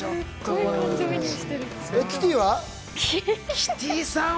キティは？